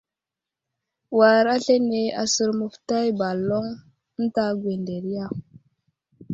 War aslane aser məfətay baloŋ ənta gwənderiya.